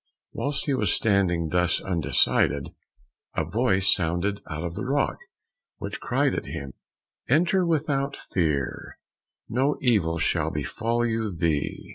Whilst he was standing thus undecided, a voice sounded out of the rock, which cried to him, "Enter without fear, no evil shall befall you thee."